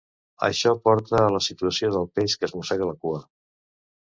Això porta a la situació del peix que es mossega la cua.